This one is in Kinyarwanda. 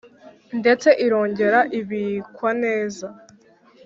Ndetse irongera ibikwa neza